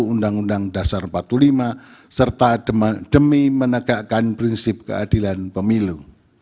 undang undang dasar empat puluh lima serta demi menegakkan prinsip keadilan pemilu